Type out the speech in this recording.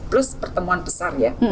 plus pertemuan besar ya